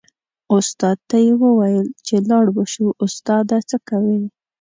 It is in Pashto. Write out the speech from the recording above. استاد ته یې و ویل چې لاړ به شو استاده څه کوې.